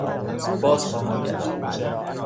بازخواهم گشت.